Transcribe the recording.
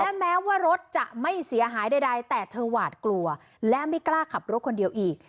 และแม้ว่ารถจะไม่เสียหายใดแต่เธอหวาดกลัวและไม่กล้าขับรถคนเดียวอีก